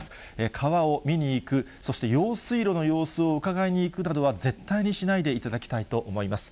川を見に行く、そして用水路の様子をうかがいに行くなどは、絶対にしないでいただきたいと思います。